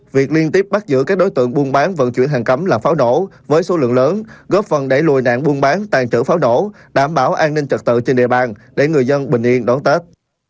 việc liên tiếp bắt giữ các đối tượng buôn bán vận chuyển hàng cấm là pháo nổ với số lượng lớn góp phần đẩy lùi nạn buôn bán tàn trữ pháo nổ đảm bảo an ninh trật tự trên địa bàn để người dân bình yên đón tết